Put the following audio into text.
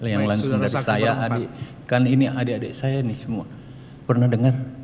yang langsung dari saya adik kan ini adik adik saya ini semua pernah dengar